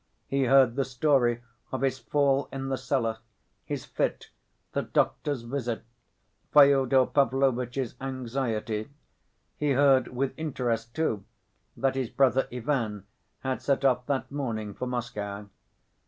He heard the story of his fall in the cellar, his fit, the doctor's visit, Fyodor Pavlovitch's anxiety; he heard with interest, too, that his brother Ivan had set off that morning for Moscow.